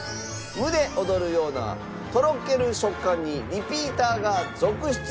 胸躍るようなとろける食感にリピーターが続出。